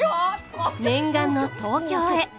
念願の東京へ。